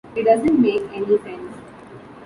It doesn't make any sense.